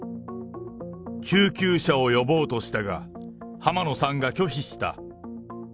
救急車を呼ぼうとしたが、浜野さんが拒否した。